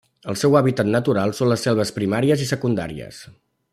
El seu hàbitat natural són les selves primàries i secundàries.